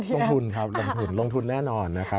ลงทุนครับลงทุนลงทุนแน่นอนนะครับ